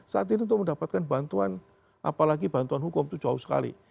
saat ini untuk mendapatkan bantuan apalagi bantuan hukum itu jauh sekali